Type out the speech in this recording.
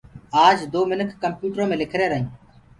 آج دو منک ڪمپيوٽرو مي لک ريهرآئينٚ